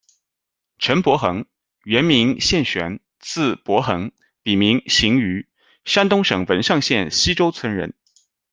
陈伯衡，原名宪璇，字伯衡，笔名行鱼，山东省汶上县西周村人。